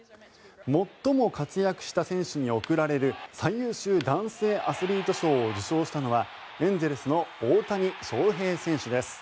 最も活躍した選手に贈られる最優秀男性アスリート賞を受賞したのはエンゼルスの大谷翔平選手です。